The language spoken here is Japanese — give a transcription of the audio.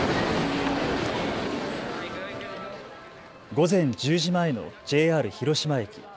午前１０時前のＪＲ広島駅。